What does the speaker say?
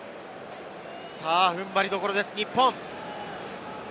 踏ん張りどころです、日本。